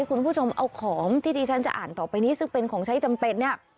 คุณผู้ชมเอาของที่ที่ฉันจะอ่านต่อไปนี้ซึ่งเป็นของใช้จำเป็นเนี่ย